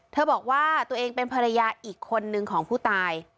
บอกว่าตัวเองเป็นภรรยาอีกคนนึงของผู้ตาย